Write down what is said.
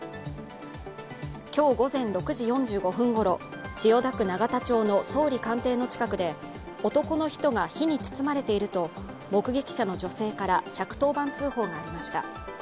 今日午前６時４５分ごろ、千代田区永田町の総理官邸の近くで男の人が火に包まれていると目撃者の女性から１１０番通報がありました。